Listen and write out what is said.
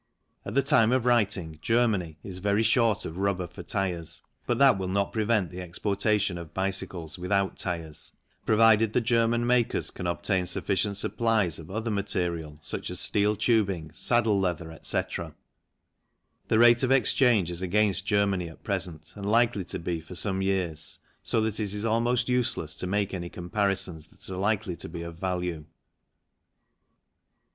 At the time of writing, Germany is very short of rubber for tyres, but that will not prevent the exportation of bicycles without tyres, 86 THE CYCLE INDUSTRY provided the German makers can obtain sufficient supplies of other material such as steel tubing, saddle leather, etc. The rate of exchange is against Germany at present and likely to be for some years, so that it is almost useless to make any comparisons that are likely to be of value.